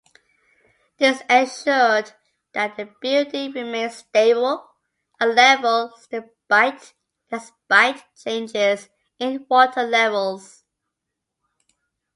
This ensured that the building remained stable and level despite changes in water levels.